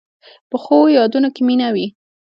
پخو یادونو کې مینه وي